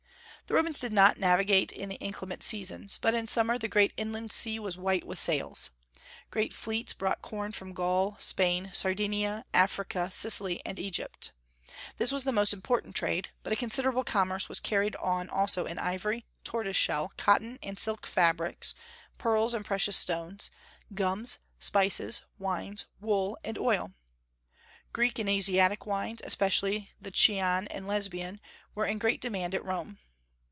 The Romans did not navigate in the inclement seasons; but in summer the great inland sea was white with sails. Great fleets brought corn from Gaul, Spain, Sardinia, Africa, Sicily, and Egypt. This was the most important trade; but a considerable commerce was carried on also in ivory, tortoise shell, cotton and silk fabrics, pearls and precious stones, gums, spices, wines, wool, and oil. Greek and Asiatic wines, especially the Chian and Lesbian, were in great demand at Rome.